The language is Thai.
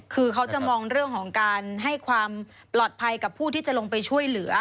คือเขาจะมองเรื่องของการให้ความปลอดภัยกับผู้ที่จะลงไปช่วยเหลือ